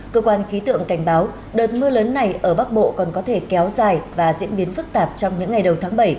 cơ quan khí tượng cảnh báo đợt mưa lớn này ở bắc bộ còn có thể kéo dài và diễn biến phức tạp trong những ngày đầu tháng bảy